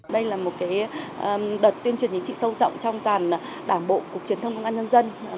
đây là một đợt tuyên truyền chính trị sâu rộng trong toàn đảng bộ cục truyền thông công an nhân dân